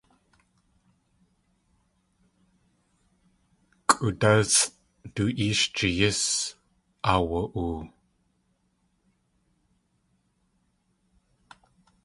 Kʼoodásʼ du éesh jeeyís aawa.oo.